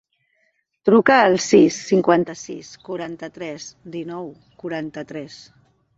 Truca al sis, cinquanta-sis, quaranta-tres, dinou, quaranta-tres.